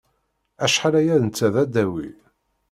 Acḥal aya netta d adawi.